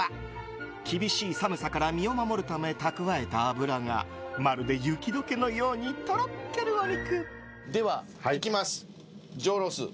厳しい寒さから身を守るため蓄えた脂がまるで雪解けのようにとろけるお肉。